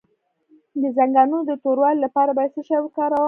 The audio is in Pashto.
د زنګونونو د توروالي لپاره باید څه شی وکاروم؟